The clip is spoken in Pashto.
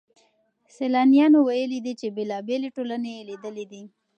سيلانيانو ويلي دي چي بېلابېلې ټولني يې ليدلې دي.